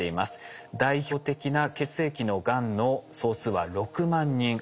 代表的な血液のがんの総数は６万人。